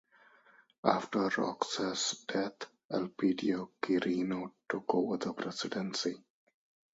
After Roxas' death, Elpidio Quirino took over the presidency.